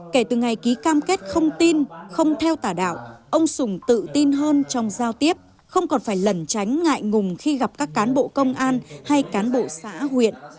kể từ ngày ký cam kết không tin không theo tà đạo ông sùng tự tin hơn trong giao tiếp không còn phải lẩn tránh ngại ngùng khi gặp các cán bộ công an hay cán bộ xã huyện